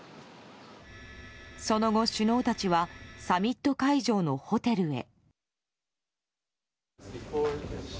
その後、首脳たちはサミット会場のホテルへ。